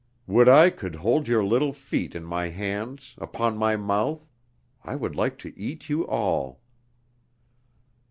Would I could hold your little feet in my hands, upon my mouth.... I would like to eat you all...."